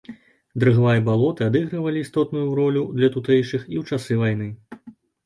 Дрыгва і балоты адыгрывалі істотную ролю для тутэйшых і ў часы вайны.